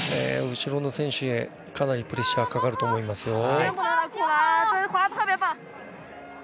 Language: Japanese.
後ろの選手へかなりプレッシャーがかかると思います。